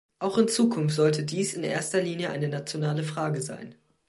Auch in Zukunft sollte dies in erster Linie eine nationale Frage sein.